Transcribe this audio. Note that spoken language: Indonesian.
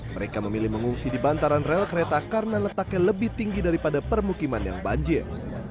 mereka memilih mengungsi di bantaran rel kereta karena letaknya lebih tinggi daripada permukiman yang banjir